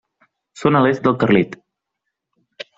Són a l'est del Carlit.